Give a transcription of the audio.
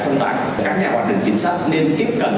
các nhà hoạt động chính sách nên tiếp cận